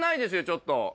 ちょっと。